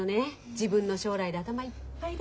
自分の将来で頭いっぱいで。